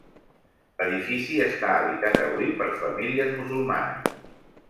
L'edifici està habitat avui per famílies musulmanes.